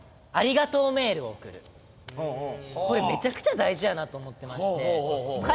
これめちゃくちゃ大事やなと思ってまして。